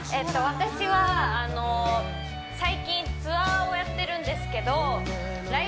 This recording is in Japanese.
私はあの最近ツアーをやってるんですけどあらっ！